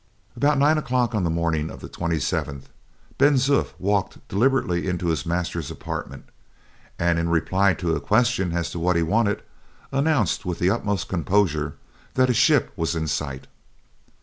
About nine o'clock on the morning of the 27th, Ben Zoof walked deliberately into his master's apartment, and, in reply to a question as to what he wanted, announced with the utmost composure that a ship was in sight.